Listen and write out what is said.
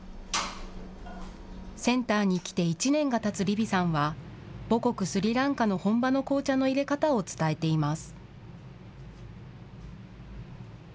センターに来て１年がたつリヴィさんは母国スリランカの本場の紅茶のいれ方を伝えています。